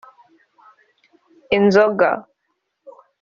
inzoga